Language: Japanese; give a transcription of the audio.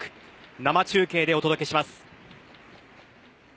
生中継でお届けします。